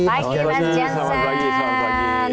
baik diman jansen